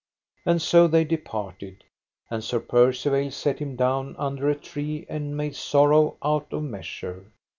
And so they departed; and Sir Percivale set him down under a tree, and made sorrow out of measure.